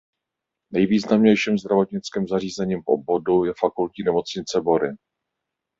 Nejvýznamnějším zdravotnickým zařízením v obvodu je Fakultní nemocnice Bory.